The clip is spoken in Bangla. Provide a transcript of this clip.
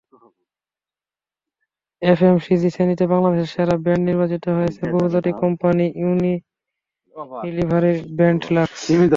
এফএমসিজি শ্রেণিতে বাংলাদেশের সেরা ব্র্যান্ড নির্বাচিত হয়েছে বহুজাতিক কোম্পানি ইউনিলিভারের ব্র্যান্ড লাক্স।